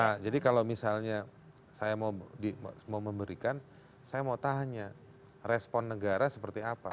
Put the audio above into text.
nah jadi kalau misalnya saya mau memberikan saya mau tanya respon negara seperti apa